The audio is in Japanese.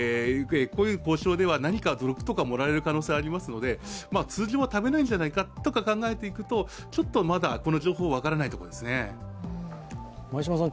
こういう交渉では、何か毒とか盛られる可能性がありますので通常は食べないんじゃないかとか考えていくとちょっとまだこの情報、分からないと思いますね。